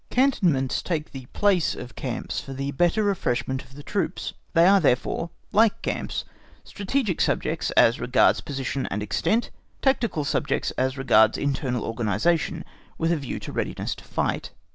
Cantonments take the place of camps for the better refreshment of the troops. They are therefore, like camps, strategic subjects as regards position and extent; tactical subjects as regards internal organisation, with a view to readiness to fight.